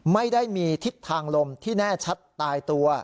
ไม่ได้มีทิศทางลมที่แน่ชัดตายตัว